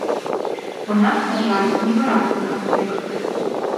У нас, на жаль, невыразны кантэкст.